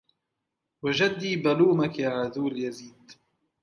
وجدي بلومك يا عذول يزيد